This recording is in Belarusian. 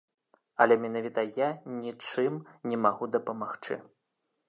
Але менавіта я нічым не магу дапамагчы.